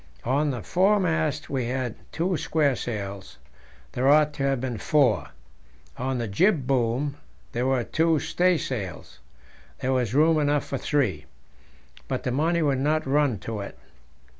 On the foremast we had two squaresails; there ought to have been four. On the jib boom there were two staysails; there was room enough for three, but the money would not run to it.